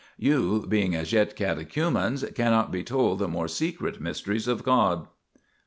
You, being as yet cate chumens, cannot be told the more secret mysteries of God."